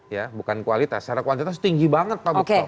ya bukan kualitas secara kuantitas tinggi banget pak bekto